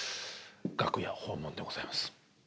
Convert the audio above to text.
楽屋訪問でございます。